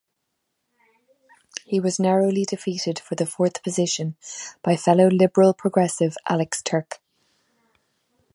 He was narrowly defeated for the fourth position by fellow Liberal-Progressive Alex Turk.